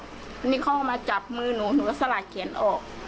วันนี้เขาก็มาจับมือหนูหนูก็สลัดเขียนออก